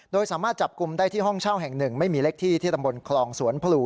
โดยสามารถจับกลุ่มได้ที่ห้องเช่าแห่งหนึ่งไม่มีเลขที่ที่ตำบลคลองสวนพลู